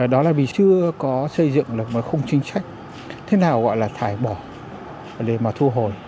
đó là vì chưa có xây dựng được một khung chính sách thế nào gọi là thải bỏ để mà thu hồi